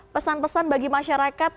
pesan pesan bagi masyarakat